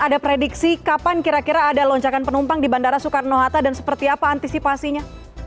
ada prediksi kapan kira kira ada lonjakan penumpang di bandara soekarno hatta dan seperti apa antisipasinya